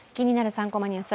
３コマニュース」